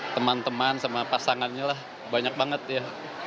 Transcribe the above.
teman teman sama pasangannya lah banyak banget ya